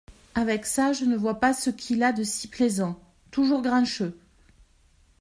Avec ça, je ne vois ce qu’il a de si plaisant ! toujours grincheux !